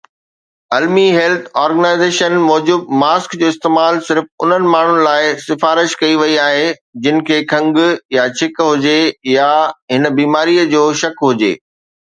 المي health organization موجب، mask جو استعمال صرف انهن ماڻهن لاءِ سفارش ڪئي وئي آهي جن کي کنگهه يا ڇڪ هجي يا هن بيماريءَ جو شڪ هجي.